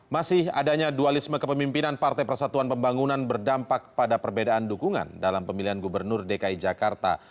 masih adanya dualisme kepemimpinan partai persatuan pembangunan berdampak pada perbedaan dukungan dalam pemilihan gubernur dki jakarta